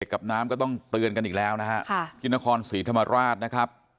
กับน้ำก็ต้องเตือนกันอีกแล้วนะฮะที่นครศรีธรรมราชนะครับ